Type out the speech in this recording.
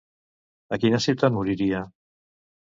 A quina ciutat moriria?